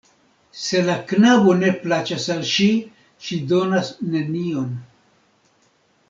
Se la knabo ne plaĉas al ŝi, ŝi donas nenion.